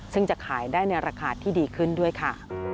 ซึ่งจะขายได้ในราคาที่ดีขึ้นด้วยค่ะ